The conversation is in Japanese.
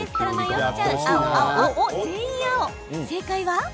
正解は。